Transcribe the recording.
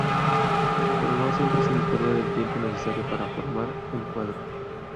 Pero no siempre se disponía del tiempo necesario para formar un cuadro.